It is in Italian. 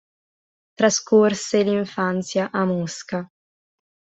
Trascorse l'infanzia a Mosca.